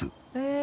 え！